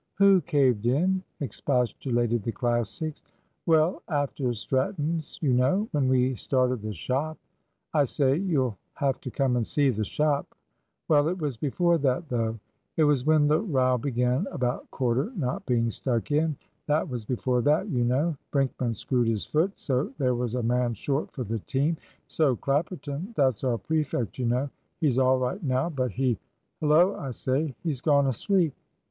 "Who caved in!" expostulated the Classics. "Well, after Stratton's, you know, when we started the shop I say, you'll have to come and see the shop well it was before that, though; it was when the row began about Corder not being stuck in that was before that, you know Brinkman screwed his foot, so there was a man short for the team, so Clapperton that's our prefect, you know; he's all right now, but he hullo, I say, he's gone asleep!"